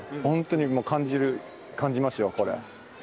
ほんとにもう感じる感じますよこれ。